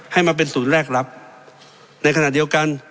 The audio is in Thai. ให้มาเป็นศูนย์แรกรับในขณะเดียวกัน